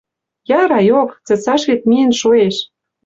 Яра йок. Цецаш вет миэн шоэш